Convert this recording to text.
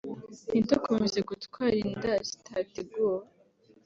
ntidukomeze gutwara inda zitateguwe